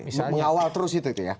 mengawal terus itu ya